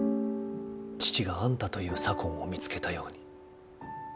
父があんたという左近を見つけたように。